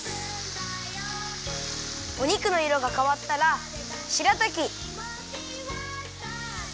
お肉のいろがかわったらしらたき